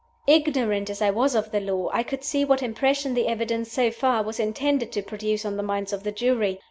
Ignorant as I was of the law, I could see what impression the evidence (so far) was intended to produce on the minds of the jury.